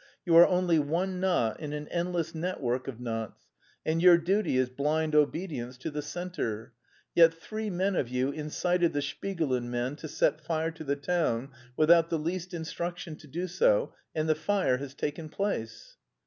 You are only one knot in an endless network of knots and your duty is blind obedience to the centre. Yet three men of you incited the Shpigulin men to set fire to the town without the least instruction to do so, and the fire has taken place."